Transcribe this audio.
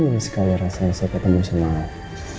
menyekat rasa rasa ketemu semalem